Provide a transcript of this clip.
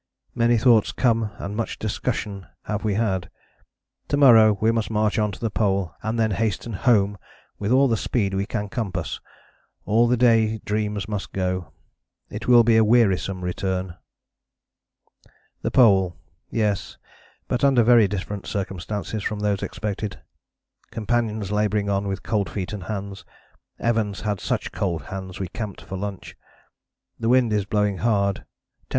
Many thoughts come and much discussion have we had. To morrow we must march on to the Pole and then hasten home with all the speed we can compass. All the day dreams must go; it will be a wearisome return." "The Pole. Yes, but under very different circumstances from those expected ... companions labouring on with cold feet and hands.... Evans had such cold hands we camped for lunch ... the wind is blowing hard, T.